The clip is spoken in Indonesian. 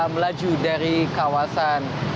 melaju dari kawasan